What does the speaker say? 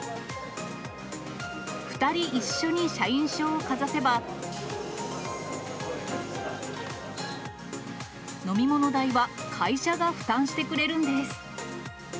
２人一緒に社員証をかざせば、飲み物代は会社が負担してくれるんです。